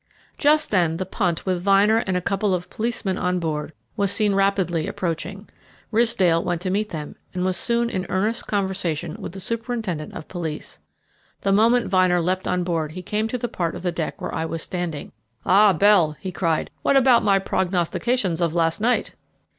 Just then the punt with Vyner and a couple of policemen on board was seen rapidly approaching. Ridsdale went to meet them, and was soon in earnest conversation with the superintendent of police. The moment Vyner leapt on board he came to the part of the deck where I was standing. "Ah, Bell," he cried, "what about my prognostications of last night?"